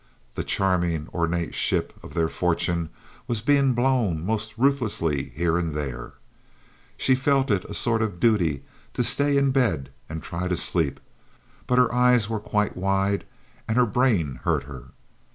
The charming, ornate ship of their fortune was being blown most ruthlessly here and there. She felt it a sort of duty to stay in bed and try to sleep; but her eyes were quite wide, and her brain hurt her.